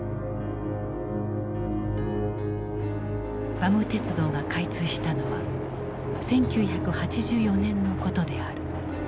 バム鉄道が開通したのは１９８４年のことである。